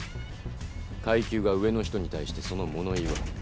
階級が上の人に対してその物言いは。